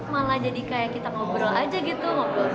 malah jadi kayak kita ngobrol aja gitu